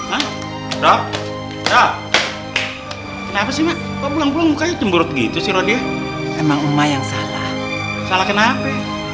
ah ah kenapa sih mak belum bukanya cemburu begitu sih roh dia emang emang yang salah salah kenapa